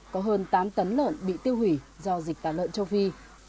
có hơn tám tấn lợn bị tiêu hủy do dịch tả lợn châu phi